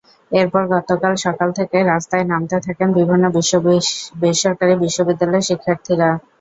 এরপর গতকাল সকাল থেকে রাস্তায় নামতে থাকেন বিভিন্ন বেসরকারি বিশ্ববিদ্যালয়ের শিক্ষার্থীরা।